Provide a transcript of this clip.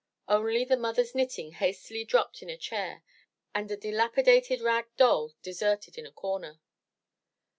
Only the mother's knitting hastily dropped in a chair, and a dilapidated rag doll deserted in a comer!